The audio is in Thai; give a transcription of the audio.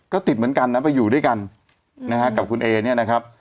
ก็ติดเหมือนกันนะไปอยู่ด้วยกันนะฮะกับคุณเอเนี่ยนะครับ